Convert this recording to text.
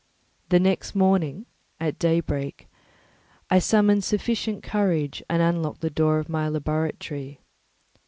The next morning, at daybreak, I summoned sufficient courage and unlocked the door of my laboratory.